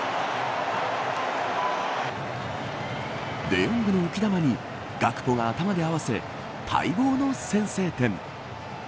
デヨングの浮き球にガクポが頭で合わせ待望の先制点。